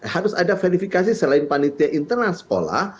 harus ada verifikasi selain panitia internal sekolah